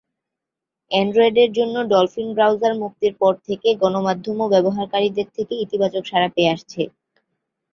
অ্যান্ড্রয়েডের জন্য Dolphin browser মুক্তির পর থেকে গণমাধ্যম ও ব্যবহারকারীদের থেকে ইতিবাচক সাড়া পেয়ে আসছে।